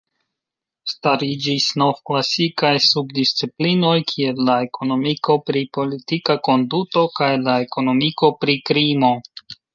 Stariĝis novklasikaj subdisciplinoj kiel la ekonomiko pri politika konduto kaj la ekonomiko pri krimo.